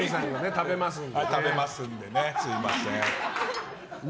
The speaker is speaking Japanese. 食べますのでね、すみません。